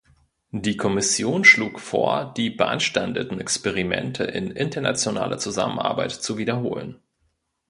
Die Kommission schlug vor, die beanstandeten Experimente in internationaler Zusammenarbeit zu wiederholen.